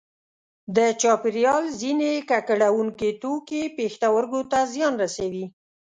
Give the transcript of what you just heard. د چاپیریال ځینې ککړوونکي توکي پښتورګو ته زیان رسوي.